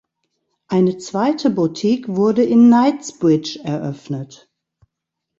Eine zweite Boutique wurde in Knightsbridge eröffnet.